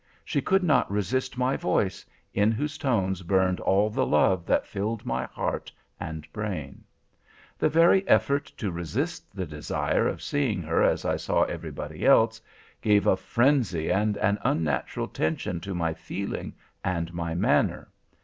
She could not resist my voice, in whose tones burned all the love that filled my heart and brain. The very effort to resist the desire of seeing her as I saw everybody else, gave a frenzy and an unnatural tension to my feeling and my manner.